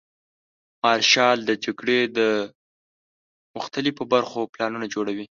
مارشال د جګړې د مختلفو برخو پلانونه جوړوي.